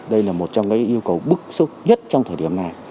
đây là một trong những yêu cầu bức xúc nhất trong thời điểm này